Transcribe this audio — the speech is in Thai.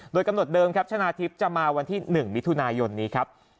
โดยกำหนดเดิมครับชนะทิพย์จะมาวันที่๑มิถุนายนนี้ครับ